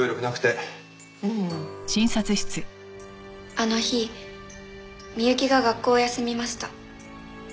あの日美雪が学校を休みました。